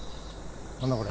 何だこれ。